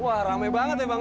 wah rame banget bang